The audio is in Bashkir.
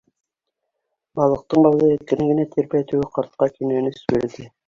Балыҡтың бауҙы әкрен генә тирбәтеүе ҡартҡа кинәнес бирҙе.